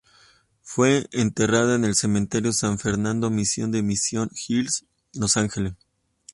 Fue enterrada en el Cementerio San Fernando Mission de Mission Hills, Los Ángeles.